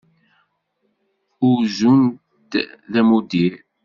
Uzun-t d amuddir.